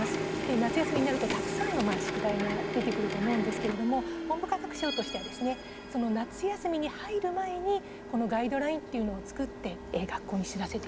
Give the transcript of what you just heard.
夏休みになるとたくさんの宿題が出てくると思うんですけれども文部科学省としてはですねその夏休みに入る前にこのガイドラインっていうのを作って学校に知らせていくと。